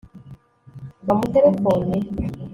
wamuterefonnye